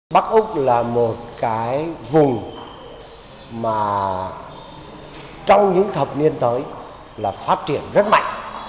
bắc úc là một cái vùng mà trong những thập niên tới là phát triển rất mạnh